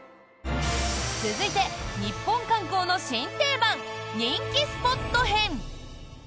続いて、ニッポン観光の新定番人気スポット編。